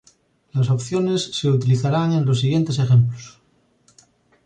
Las opciones se utilizarán en los siguientes ejemplos.